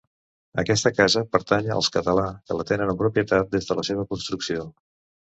Aquesta casa pertany als Català, que la tenen en propietat des de la seva construcció.